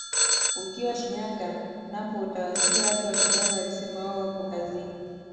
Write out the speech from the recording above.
Ukiwa Shinyanga napo utawasikia watu wa Shinyanga wakisema wao wapo kaskazini